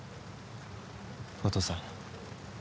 お義父さん